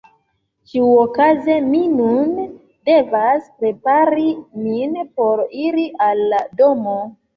Ĉiuokaze mi nun devas prepari min por iri al la domo.